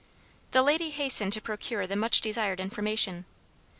The lady hastened to procure the much desired information.